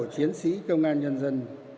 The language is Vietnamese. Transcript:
chiến sĩ công an nhân dân